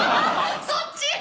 そっち？